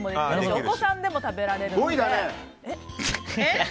お子さんでも食べられるので。